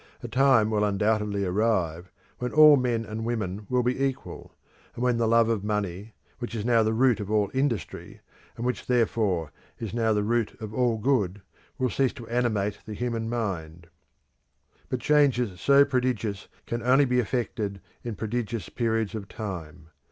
A time will undoubtedly arrive when all men and women will be equal, and when the love of money, which is now the root of all industry, and which therefore is now the root of all good, will cease to animate the human mind. But changes so prodigious can only be effected in prodigious periods of time.